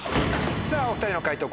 さぁお２人の解答